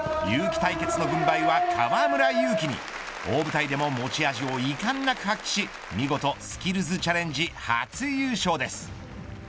対決の軍配は河村勇輝に大舞台でも持ち味をいかんなく発揮し見事スキルズチャレンジ初優勝です。